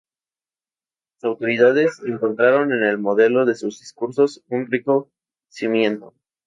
Las autoridades, encontraron en el modelo de sus discursos, un rico cimiento.